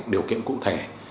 điều kiện cụ thể